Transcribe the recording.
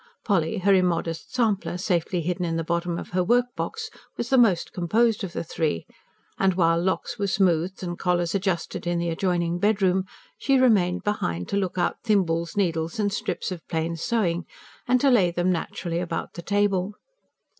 Polly, her immodest sampler safely hidden at the bottom of her workbox, was the most composed of the three; and while locks were smoothed and collars adjusted in the adjoining bedroom, she remained behind to look out thimbles, needles and strips of plain sewing, and to lay them naturally about the table.